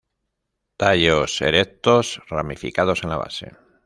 Tallos erectos ramificados en la base.